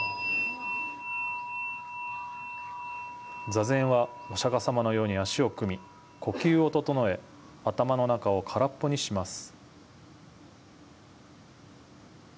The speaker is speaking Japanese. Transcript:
座禅は、お釈迦様のように足を組み、呼吸を整え、頭の中を空っぽにします。